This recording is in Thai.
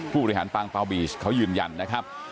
ผู้บริหารปางเปล่าบีชเขายืนยันนะครับ